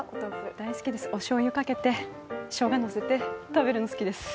大好きです、おしょうゆかけて、しょうがのせて食べるの好きです。